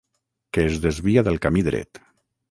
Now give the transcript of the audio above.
Que es desvia del camí dret.